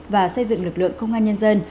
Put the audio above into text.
và xây dựng lực lượng công an nhân dân